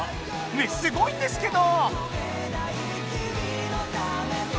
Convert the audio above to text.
ねえすごいんですけど！